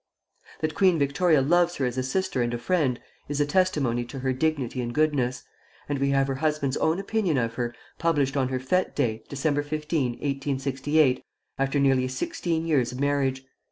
That Queen Victoria loves her as a sister and a friend, is a testimony to her dignity and goodness; and we have her husband's own opinion of her, published on her fête day, Dec. 15, 1868, after nearly sixteen years of marriage.